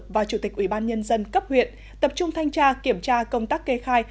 và chủ tịch ubnd cấp huyện tập trung thanh tra kiểm tra công tác kê khai